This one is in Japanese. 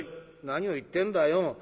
「何を言ってんだよ。